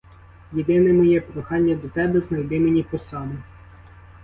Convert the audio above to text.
Єдине моє прохання до тебе — знайди мені посаду.